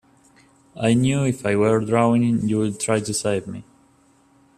I knew if I were drowning you'd try to save me.